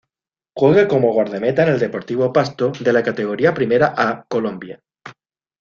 Juega como guardameta en el Deportivo Pasto de la Categoría Primera A colombia.